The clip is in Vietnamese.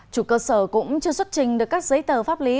chủ cơ sở cũng chưa xuất trình được các giấy tờ pháp lý